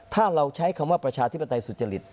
ถ้าเราใช้คำว่าประชาธิปไตยสุจริต